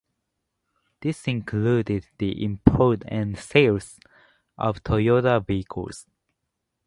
This included the import and sales of Toyota vehicles.